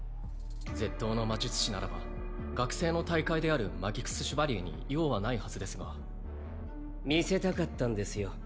絶刀の魔術師ならば学生の大会であるマギクス・シュバリエに用はないはずですが見せたかったんですよ